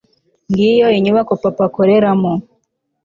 ngiyo inyubako papa akoreramo